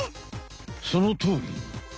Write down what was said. そのとおり！